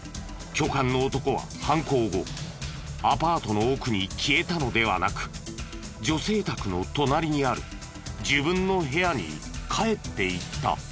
巨漢の男は犯行後アパートの奥に消えたのではなく女性宅の隣にある自分の部屋に帰っていった。